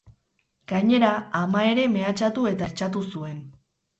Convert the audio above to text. Gainera, ama ere mehatxatu eta hertsatu zuen.